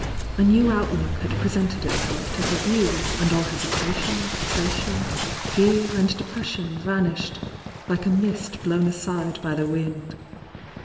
A new outlook had presented itself to her view, and all hesitation, vexation, fear and depression vanished like a mist blown aside by the wind.